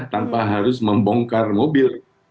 tanpa harus membongkar mobil